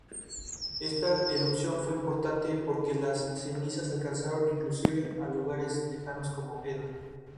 Esta erupción fue importante porque las cenizas alcanzaron inclusive a lugares lejanos como Edo.